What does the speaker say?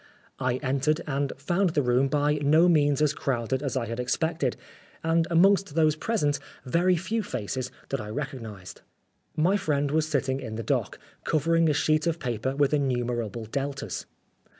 I entered, and found the room by no means as crowded as I had expected, and amongst those present very few faces that I recog nised. My friend was sitting in the dock, covering a sheet of paper with innumerable Deltas.